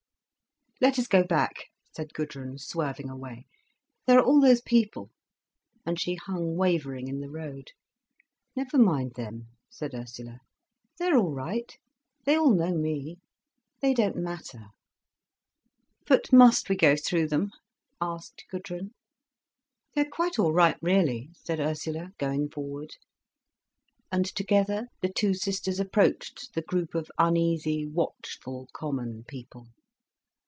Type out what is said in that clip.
"Let us go back," said Gudrun, swerving away. "There are all those people." And she hung wavering in the road. "Never mind them," said Ursula, "they're all right. They all know me, they don't matter." "But must we go through them?" asked Gudrun. "They're quite all right, really," said Ursula, going forward. And together the two sisters approached the group of uneasy, watchful common people.